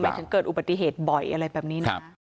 ถึงเกิดอุบัติเหตุบ่อยอะไรแบบนี้นะ